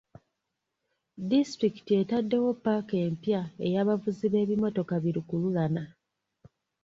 Disitulikiti etaddewo paaka empya ey'abavuzi b'ebimotoka bi lukululana.